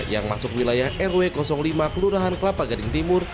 yang masuk wilayah rw lima kelurahan kelapa gading timur